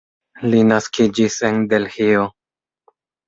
Li naskiĝis en Delhio.